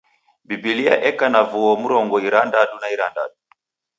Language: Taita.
Biblia eka na vuo mirongo irandadu na irandadu.